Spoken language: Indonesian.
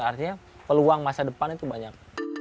artinya peluang masa depan itu banyak